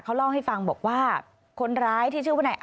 เขาเล่าให้ฟังบอกว่าคนร้ายที่ชื่อว่าไหน